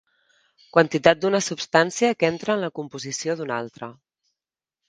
Quantitat d'una substància que entra en la composició d'una altra.